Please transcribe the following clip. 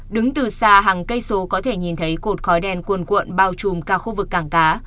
đứng từ xa hàng cây số có thể nhìn thấy cột khói đen cuồn cuộn bao trùm cả khu vực cảng cá